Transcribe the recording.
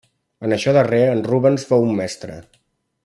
En això darrer en Rubens fou un mestre.